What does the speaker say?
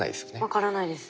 分からないです。